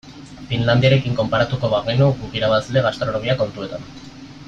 Finlandiarekin konparatuko bagenu guk irabazle gastronomia kontuetan.